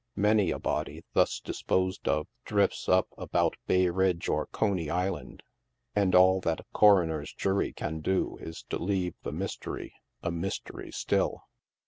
Many a body thus disposed of drifts up about Bay Ridge or Coney Island, and all that a coroner's jury can do is to leave the mystery a mystery still.